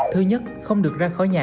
thứ nhất không được ra khỏi nhà